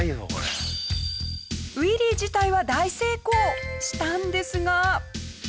ウイリー自体は大成功したんですが。